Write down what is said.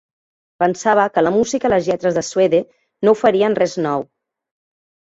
Pensava que la música i les lletres de Suede no oferien res nou.